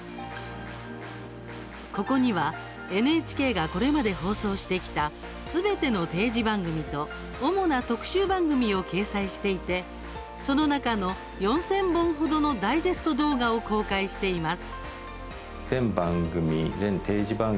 ここにはＮＨＫがこれまで放送してきたすべての定時番組と主な特集番組を掲載していてその中の４０００本程のダイジェスト動画を公開しています。